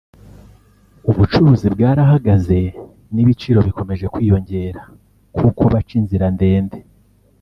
ubucuruzi bwarahagaze n’ibiciro bikomeje kwiyongera kuko baca inzira ndende